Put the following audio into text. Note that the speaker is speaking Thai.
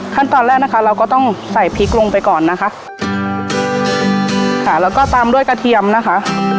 ขั้นตอนแรกนะคะเราก็ต้องใส่พริกลงไปก่อนนะคะค่ะแล้วก็ตามด้วยกระเทียมนะคะ